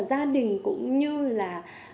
gia đình cũng như là